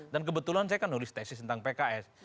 dan kebetulan saya kan nulis tesis tentang pks